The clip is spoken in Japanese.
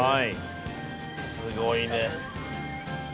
すごいね。